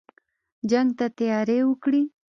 جنګ ته تیاری وکړی.